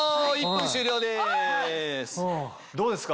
１分終了です。